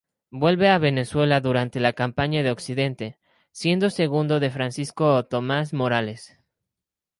Vuelve a Venezuela durante la Campaña de Occidente, siendo segundo de Francisco Tomás Morales.